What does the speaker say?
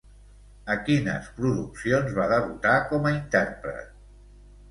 A quines produccions va debutar com a intèrpret?